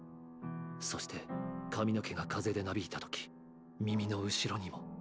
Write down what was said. そして髪の毛が風でなびいたとき耳のうしろにも。